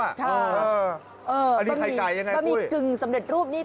อันนี้ไข่ไก่ยังไงปุ๊ย